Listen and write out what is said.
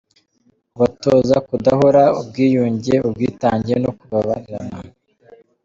ubatoza kudahora, ubwiyunge, ubwitange no kubabarirana.